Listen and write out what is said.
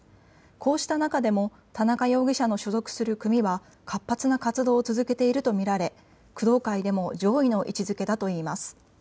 こうした中でも田中容疑者の所属する組は活発な活動を続けていると見られ工藤会で上位の位置づけだといいます。